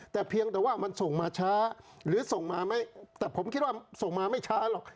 แต่เพียงแต่ว่ามันส่งมาช้าหรือส่งมาไหมแต่ผมคิดว่าส่งมาไม่ช้าหรอก